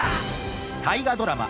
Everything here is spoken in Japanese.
大河ドラマ